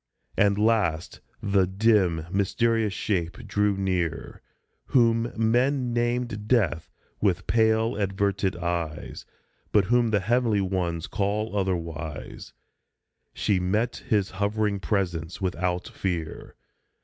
And, last, the dim, mysterious shape drew near, Whom men name " Death," with pale, averted eyes ; (But whom the Heavenly ones call otherwise !) She met his hovering presence without fear.